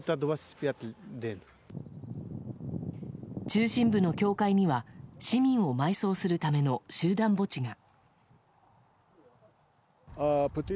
中心部の教会には市民を埋葬するための集団墓地が。